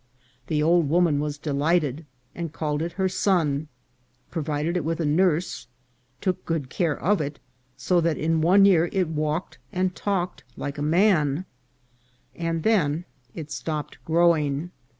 The old woman was delighted, and called it her son, provided it with a nurse, took good care of it, so that in one year it walked and talked like a man ; and then it stopped growing.